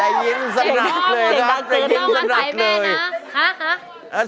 ได้ยิ้มสะหนัดเลยนะต้องอาจไข่แม่นะ